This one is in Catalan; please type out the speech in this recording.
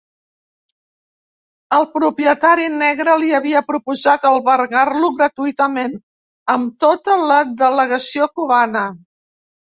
El propietari negre li havia proposat albergar-lo gratuïtament, amb tota la delegació cubana.